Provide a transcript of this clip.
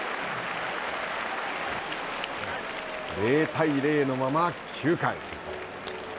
０対０のまま９回。